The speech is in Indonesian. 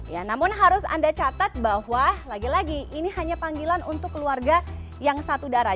ya namun harus anda catat bahwa lagi lagi ini hanya panggilan untuk keluarga yang satu darah